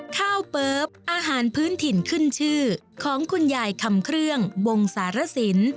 ข้าวเปิ๊บอาหารพื้นถิ่นขึ้นชื่อของคุณยายคำเครื่องวงสารสิน